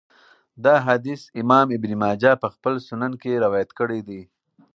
دا حديث امام ابن ماجه په خپل سنن کي روايت کړی دی .